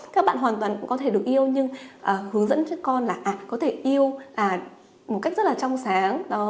các bạn hoàn toàn cũng có thể được yêu nhưng hướng dẫn cho con là có thể yêu một cách rất là trong sáng